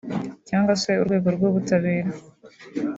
cyangwa se urwego rw’ubutabera